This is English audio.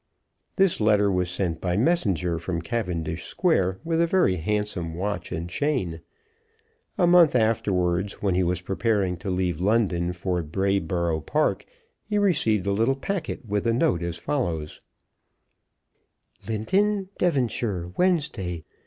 This letter was sent by messenger from Cavendish Square, with a very handsome watch and chain. A month afterwards, when he was preparing to leave London for Brayboro' Park, he received a little packet, with a note as follows; Linton, Devonshire, Wednesday.